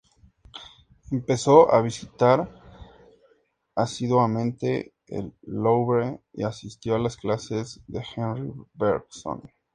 Empezó a visitar asiduamente el Louvre y asistió a las clases de Henri Bergson.